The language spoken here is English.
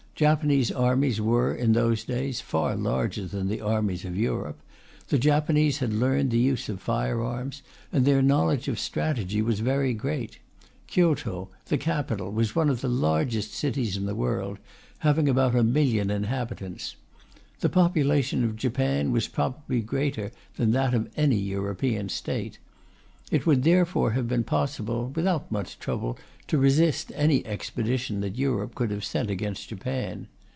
Japanese armies were, in those days, far larger than the armies of Europe; the Japanese had learnt the use of fire arms; and their knowledge of strategy was very great. Kyoto, the capital, was one of the largest cities in the world, having about a million inhabitants. The population of Japan was probably greater than that of any European State. It would therefore have been possible, without much trouble, to resist any expedition that Europe could have sent against Japan.